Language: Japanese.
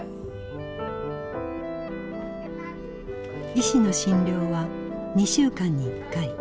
医師の診療は２週間に１回。